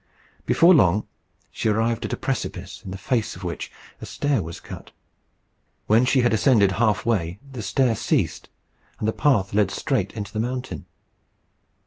Before long she arrived at a precipice, in the face of which a stair was cut. When she had ascended half way, the stair ceased, and the path led straight into the mountain.